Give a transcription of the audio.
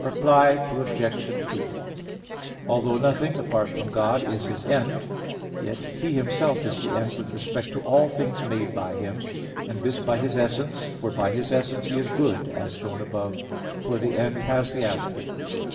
Reply Obj. 1: Although nothing apart from God is His end, yet He Himself is the end with respect to all things made by Him. And this by His essence, for by His essence He is good, as shown above (Q. 6, A. 3): for the end has the aspect of good.